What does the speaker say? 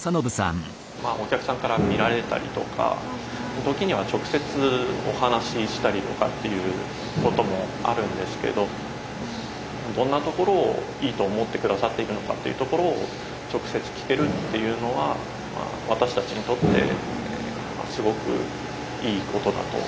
お客さんから見られたりとか時には直接お話ししたりとかっていう事もあるんですけどどんなところをいいと思って下さっているのかっていうところを直接聞けるっていうのは私たちにとってすごくいい事だと思います。